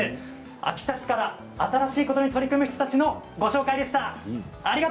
秋田市から新しいことに取り組む人たちのご紹介でした。